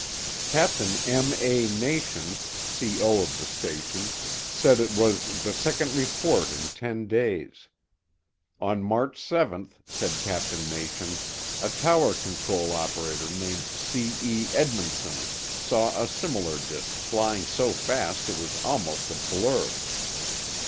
Captain M. A. Nation, C. O. of the station, said it was "I the second report in ten days. On March 7, said Captain Nation, a tower control operator named C. E. Edmundson saw a similar disk flying so fast it was almost a blur.